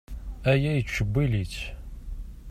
Aya yettcewwil-itt.